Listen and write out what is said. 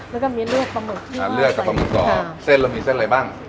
แล้วก็มีลวกปลาหมึกอ่าเลือกกับปลาหมึกต่อเส้นเรามีเส้นอะไรบ้าง